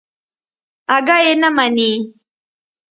اگه يې نه مني.